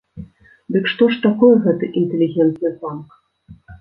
Дык што ж такое гэты інтэлігентны панк?